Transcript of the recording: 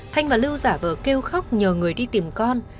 thanh và lưu giả vờ kêu khóc nhờ người đi tìm con